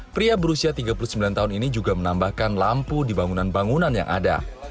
pria berusia tiga puluh sembilan tahun ini juga menambahkan lampu di bangunan bangunan yang ada